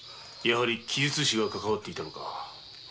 やはり奇術師がかかわっていたのか？